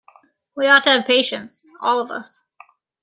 We ought to have patience, all of us.